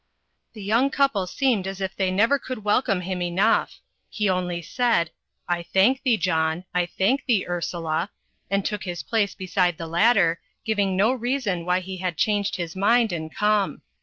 The young couple seemed as if they never could welcome him enough. He only said, "I thank thee, John," "I thank thee, Ursula;" and took his place beside the latter, giving no reason why he had changed his mind and come.